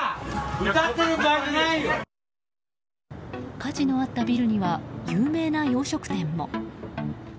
火事のあったビルには有名な洋食店も。